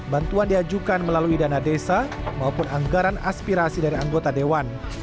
bantuan diajukan melalui dana desa maupun anggaran aspirasi dari anggota dewan